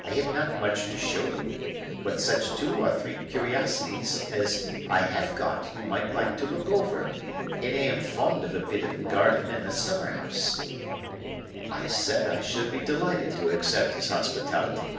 I have not much to show you; but such two or three curiosities as I have got you might like to look over; and I am fond of a bit of garden and a summer house." I said I should be delighted to accept his hospitality.